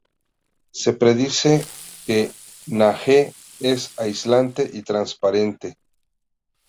Se predice que el NaHe es aislante y transparente.